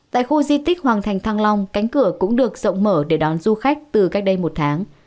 tại khu di tích hoàng thành thăng long cánh cửa cũng được rộng mở để đón du khách từ cách đây một tháng